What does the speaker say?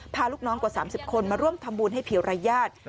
พาลูกน้องกว่า๓๐คนมาร่วมทำบุญให้ผิวรายญาติ